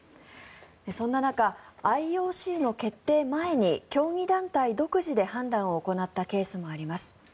そんな中、ＩＯＣの決定前に競技団体独自で判断を行ったケースもあります。